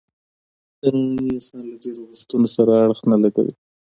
د ننني انسان له ډېرو غوښتنو سره اړخ نه لګوي.